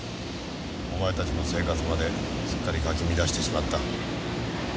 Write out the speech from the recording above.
お前たちの生活まですっかりかき乱してしまった。